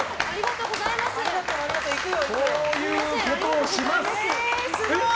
こういうことをします！